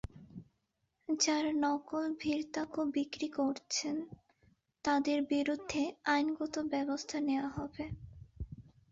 যাঁরা নকল ভিরতাকো বিক্রি করছেন তাঁদের বিরুদ্ধে আইনগত ব্যবস্থা নেওয়া হবে।